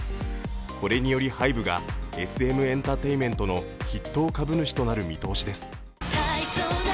これによりＨＹＢＥがＳＭエンタテインメントの筆頭株主となる見通しです。